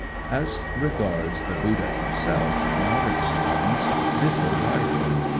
As regards the Buddha himself, modern students differ widely.